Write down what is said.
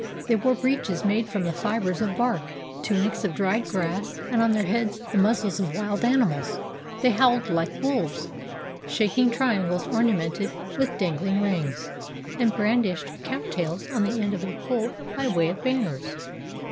They wore breeches made from the fibers of bark, tu nics of dried grass, and on their heads the muzzles of wild animals; they howled like wolves, shaking triangles ornamented with dangling rings, and brandished cow tails on the end of a pole by way of banners.